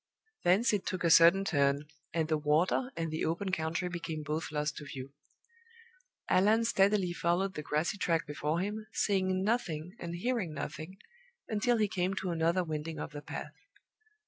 Thence it took a sudden turn; and the water and the open country became both lost to view. Allan steadily followed the grassy track before him, seeing nothing and hearing nothing, until he came to another winding of the path.